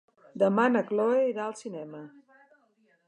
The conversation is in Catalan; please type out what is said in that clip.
Demà na Chloé irà al cinema.